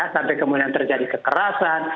sampai kemudian terjadi kekerasan